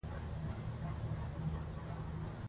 طالبي خوځښت څه وخت او چېرته پیدا شو؟